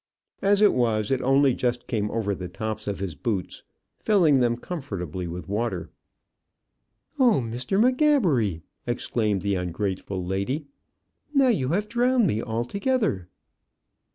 As it was, it only just came over the tops of his boots, filling them comfortably with water. "Oh, Mr. M'Gabbery!" exclaimed the ungrateful lady. "Now you have drowned me altogether."